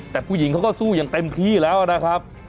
แต่ผู้หญิงเขาก็สู้อย่างเต็มที่แล้วนะครับ